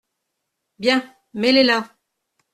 Bien ! mets-les là.